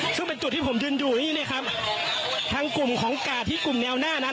ซึ่งเป็นจุดที่ผมยืนอยู่นี่นะครับทางกลุ่มของกาดที่กลุ่มแนวหน้านั้น